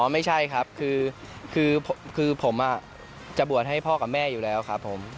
ไม่ใช่ครับคือผมจะบวชให้พ่อกับแม่อยู่แล้วครับผม